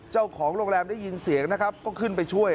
เจ้าของโรงแรมได้ยินเสียงนะครับก็ขึ้นไปช่วย